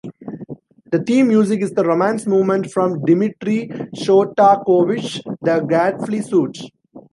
The theme music is the Romance movement from Dmitri Shostakovich's "The Gadfly Suite".